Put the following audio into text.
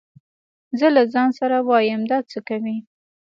زه له ځان سره وايم دا څه کوي.